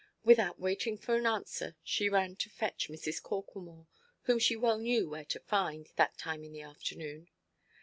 Without waiting for an answer, she ran to fetch Mrs. Corklemore, whom she well knew where to find, that time of the afternoon.